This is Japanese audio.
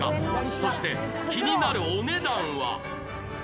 そして気になるお値段は？